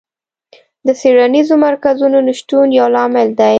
د څېړنیزو مرکزونو نشتون یو لامل دی.